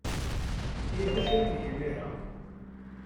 Ihi d acu ara neg imir-a?